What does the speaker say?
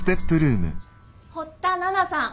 堀田奈々さん